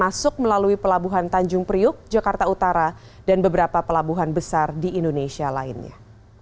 masuk melalui pelabuhan tanjung priuk jakarta utara dan beberapa pelabuhan besar di indonesia lainnya